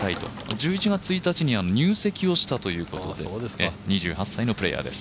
１１月１日に入籍をしたということで２８歳のプレーヤーです。